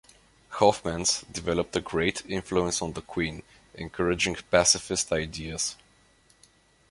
Hofmans developed a great influence on the queen, encouraging pacifist ideas.